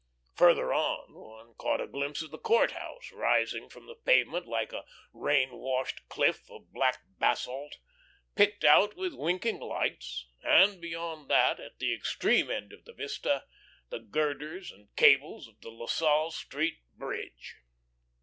Further on one caught a glimpse of the Court House rising from the pavement like a rain washed cliff of black basalt, picked out with winking lights, and beyond that, at the extreme end of the vista, the girders and cables of the La Salle Street bridge.